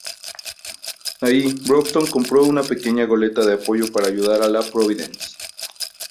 Ahí Broughton compró una pequeña goleta de apoyo para ayudar a la "Providence".